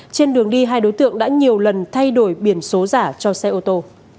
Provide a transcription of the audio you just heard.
trên đường đi hai đối tượng đã nhiều lần thay đổi biển số giả cho xe ô tô